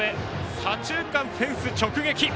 左中間、フェンス直撃！